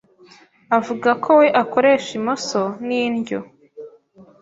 avuga ko we akoresha imoso n’indyo